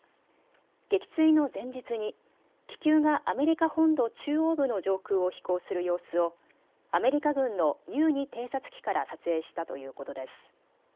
撃墜の前日に気球がアメリカ本土中央部の上空を飛行する様子をアメリカ軍のＵ２偵察機から撮影したということです。